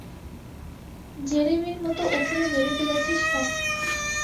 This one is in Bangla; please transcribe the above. জেরেমির মতো ওকেও মেরে ফেলেছিস নাকি?